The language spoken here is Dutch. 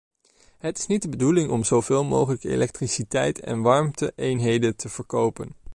Het is niet de bedoeling om zoveel mogelijk elektriciteit en warmte-eenheden te verkopen.